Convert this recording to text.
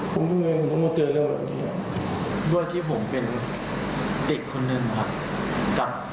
ผมต้องเตือนเรื่องแบบนี้ด้วยที่ผมเป็นอีกคนหนึ่งครับกับ